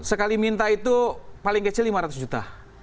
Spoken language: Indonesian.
sekali minta itu paling kecil lima ratus juta